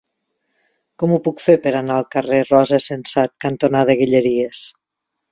Com ho puc fer per anar al carrer Rosa Sensat cantonada Guilleries?